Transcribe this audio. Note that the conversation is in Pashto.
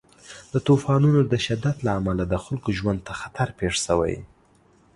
د طوفانونو د شدت له امله د خلکو ژوند ته خطر پېښ شوی.